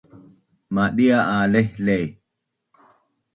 Madia a lehleh